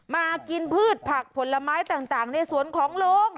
มากินพืชผักผลไม้ต่างในสวนของลุง